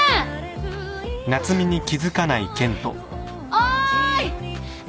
おーい！